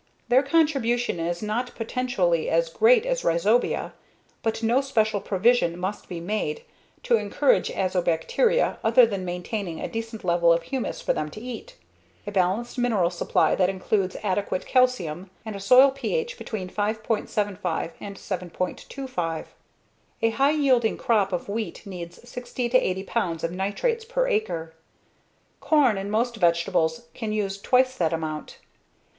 Their contribution is not potentially as great as rhizobia, but no special provision must be made to encourage azobacteria other than maintaining a decent level of humus for them to eat, a balanced mineral supply that includes adequate calcium, and a soil pH between 5.75 and 7.25. A high yielding crop of wheat needs 60 80 pounds of nitrates per acre. Corn and most vegetables can use twice that amount.